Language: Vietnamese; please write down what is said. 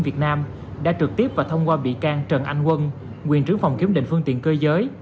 việt nam đã trực tiếp và thông qua bị can trần anh quân quyền trưởng phòng kiểm định phương tiện cơ giới